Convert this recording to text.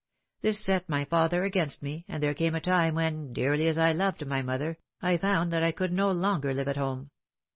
This set my father against me, and there came a time when, dearly as I loved my mother, I found that I could no longer live at home.